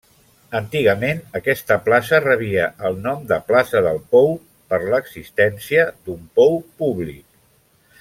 Antigament aquesta plaça rebia el nom de plaça del pou, per l'existència d'un pou públic.